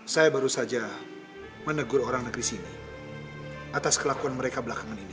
saya baru saja menegur orang negeri sini atas kelakuan mereka belakangan ini